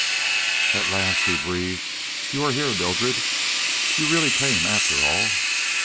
"At last!" he breathed. "You are here, Mildred. You really came, after all?"